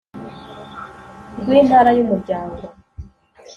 rw Intara y Umuryango